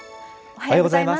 おはようございます。